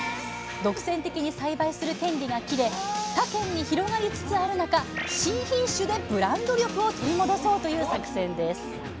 独占的に栽培する権利が切れ他県に広がりつつある中新品種でブランド力を取り戻そうという作戦です